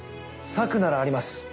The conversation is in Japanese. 策ならあります。